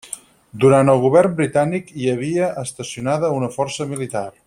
Durant el govern britànic hi havia estacionada una força militar.